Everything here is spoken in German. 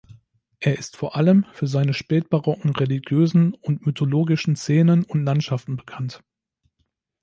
Er ist vor allem für seine spätbarocken religiösen und mythologischen Szenen und Landschaften bekannt.